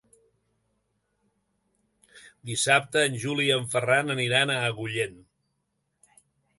Dissabte en Juli i en Ferran aniran a Agullent.